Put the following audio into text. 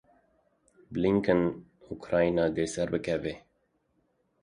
Blinken Ukrayna dê serbikeve.